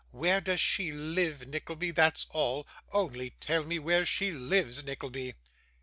Where does she live, Nickleby, that's all? Only tell me where she lives, Nickleby.